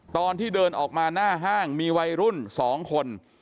ตอนที่เดินออกมาหน้าห้างมีวัยรุ่น๒คน